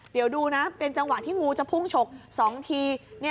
เดี๋ยวดูนะเป็นจังหวะที่งูจะพุ่งฉก๒ที